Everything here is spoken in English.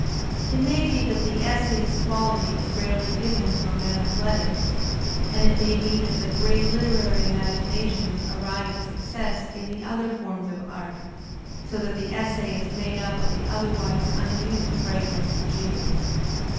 It may be that the essayist's quality is rarely given to a man of letters; and it may be that the great literary imaginations arrive at success in the other forms of art, so that the essay is made up of the otherwise unused fragments of genius.